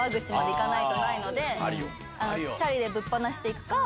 チャリでぶっ放して行くか。